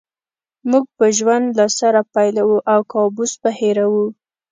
موږ به ژوند له سره پیلوو او کابوس به هېروو